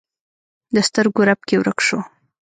د سترګو رپ کې ورک شو